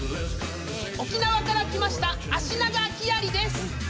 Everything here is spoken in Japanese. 沖縄から来ましたアシナガキアリです！